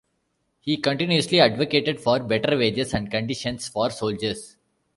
He continuously advocated for better wages and conditions for soldiers.